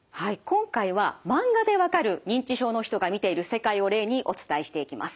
今回はマンガでわかる認知症の人が見ている世界を例にお伝えしていきます。